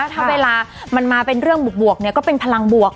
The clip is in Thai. ถ้าเวลามันมาเป็นเรื่องบวกก็เป็นพลังบวก